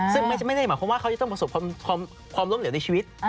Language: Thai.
ซึ่งไม่ได้หมายความว่าเขาจะต้องประสบความล้มเหลวในชีวิต